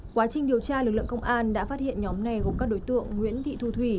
quá trình điều tra lực lượng công an đã phát hiện nhóm này gồm các đối tượng nguyễn thị thu thủy